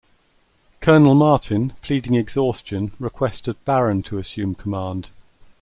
Colonel Martin, pleading exhaustion, requested Barron to assume command.